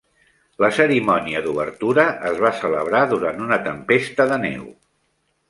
La cerimònia d'obertura es va celebrar durant una tempesta de neu.